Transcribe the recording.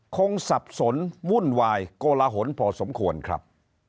สับสนวุ่นวายโกลหนพอสมควรครับ